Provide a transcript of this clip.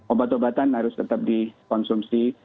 obat obatan harus tetap dikonsumsi